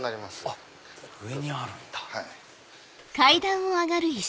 あっ上にあるんだ。